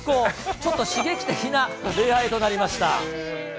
ちょっと刺激的な礼拝となりました。